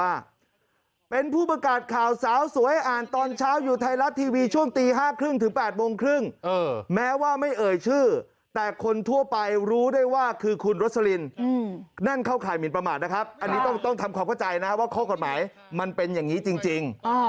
อันนี้ต้องทำความเข้าใจนะว่าเขา้านอกแทนกฎหมายมันเป็นอย่างนี้จริง